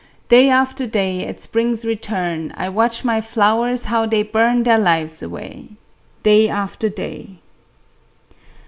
Day after day At spring's return, I watch my flowers, how they burn Their lives away, Day after day